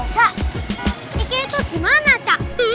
cak ini tuh gimana cak